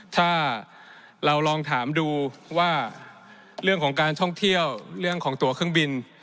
ถ้าเราลองถามดูว่าเรื่องของการท่องเที่ยวเรื่องของตัวเครื่องบิน